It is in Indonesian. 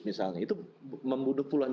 misalnya itu membunuh pulau